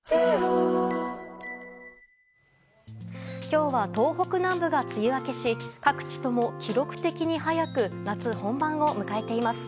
今日は東北南部が梅雨明けし各地とも記録的に早く夏本番を迎えています。